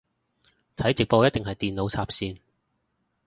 睇直播一定係電腦插線